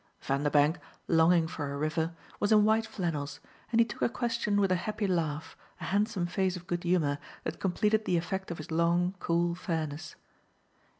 Vanderbank, longing for a river, was in white flannels, and he took her question with a happy laugh, a handsome face of good humour that completed the effect of his long, cool fairness.